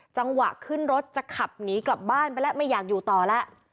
จังหวะขึ้นรถจะขับหนีกลับบ้านไปแล้วไม่อยากอยู่ต่อแล้ว